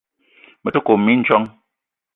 Me te kome mindjong.